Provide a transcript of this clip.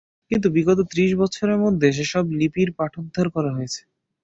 কিন্তু বিগত ত্রিশ বৎসরের মধ্যে সে-সব লিপির পাঠোদ্ধার করা হয়েছে।